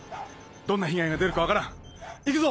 どんな被害が出るか分からん行くぞ！